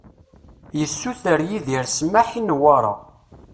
Yessuter Yidir ssmaḥ i Newwara.